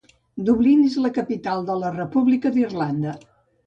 Dublin és la capital de la República d"Irlanda.